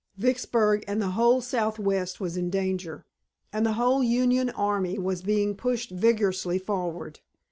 Vicksburg and the whole Southwest was in danger, and the whole Union army was being pushed vigorously forward.